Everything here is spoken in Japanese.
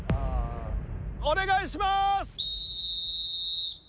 お願いします！